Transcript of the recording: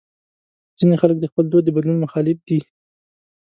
ځینې خلک د خپل دود د بدلون مخالف دي.